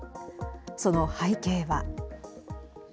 その背景は。